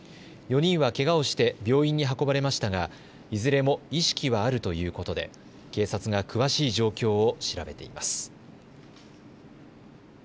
４人はけがをして病院に運ばれましたがいずれも意識はあるということで警察が詳しい状況を調べています。